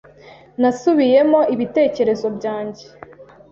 Nasubiyemo ibitekerezo byanjye.